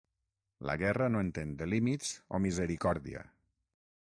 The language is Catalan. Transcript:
La guerra no entén de límits o misericòrdia.